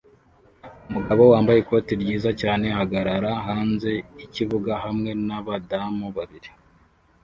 Umugabo wambaye ikoti ryiza cyane ahagarara hanze yikibuga hamwe nabadamu babiri